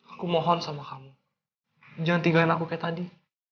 aku mohon sama kamu jangan tinggalin aku kayak tadi